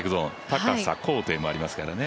高さ、高低もありますからね。